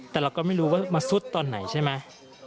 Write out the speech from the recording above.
แต่เราก็ไม่รู้ว่ามาซุดตอนไหนใช่ไหม